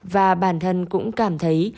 và bản thân cũng cảm thấy